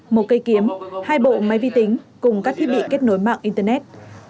một cây kiếm hai bộ máy vi tính cùng các thiết bị kết nối mạng internet